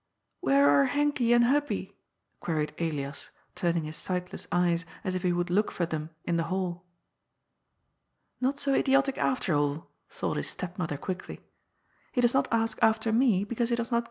"Where are Henkie and Hubbie?" queried Elias, turn* ing his sightless eyes as if he would look for them in the hall. "Not so idiotic, after all," thought his stepmother quickly. " He does not ask after me because he does not STEPMOTHERS.